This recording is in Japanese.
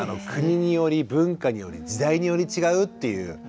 国により文化により時代により違うっていう。